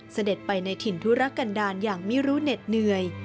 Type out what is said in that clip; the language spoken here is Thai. เสด็จไปในถิ่นธุรกันดาลอย่างไม่รู้เหน็ดเหนื่อย